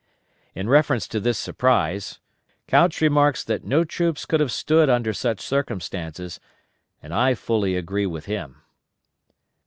In reference to this surprise, Couch remarks that no troops could have stood under such circumstances, and I fully agree with him.